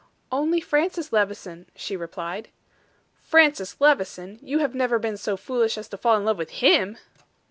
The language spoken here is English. "Only Francis Levison," she replied. "Francis Levison! You have never been so foolish as to fall in love with him?"